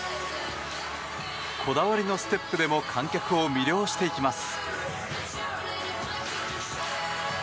こだわりのステップでも観客を魅了していきます。